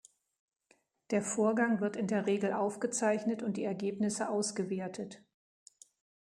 Der Vorgang wird in der Regel aufgezeichnet und die Ergebnisse ausgewertet.